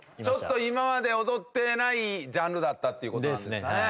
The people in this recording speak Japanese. ちょっと今まで踊ってないジャンルだったっていう事なんですかね。